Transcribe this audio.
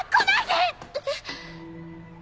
えっ。